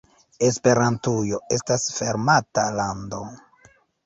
Esperantujo estas fermata lando.